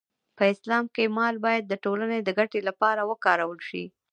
په اسلام کې مال باید د ټولنې د ګټې لپاره وکارول شي.